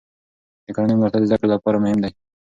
د کورنۍ ملاتړ د زده کړې لپاره مهم دی.